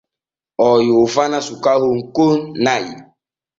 O yoofana cukahon kon na’i.